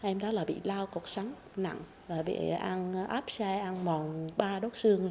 em đó là bị lau cột sắn nặng bị ăn áp xe ăn mòn ba đứa